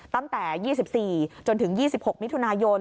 ตั้งแต่๒๔จนถึง๒๖มิถุนายน